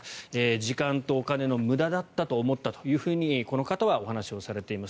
時間とお金の無駄だったと思ったというふうにこの方はお話しされています。